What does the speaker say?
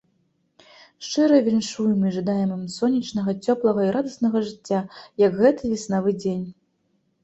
Шчыра віншуем і жадаем ім сонечнага, цёплага і радаснага жыцця, як гэты веснавы дзень.